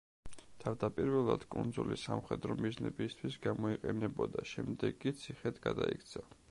თავდაპირველად კუნძული სამხედრო მიზნებისთვის გამოიყენებოდა, შემდეგ კი ციხედ გადაიქცა.